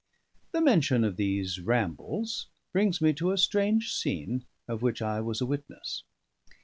The mention of these rambles brings me to a strange scene of which I was a witness.